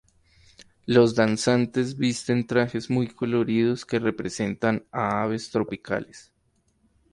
Los danzantes visten trajes muy coloridos que representan a aves tropicales.